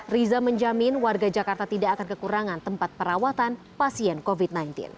riza menjamin warga jakarta tidak akan kekurangan tempat perawatan pasien covid sembilan belas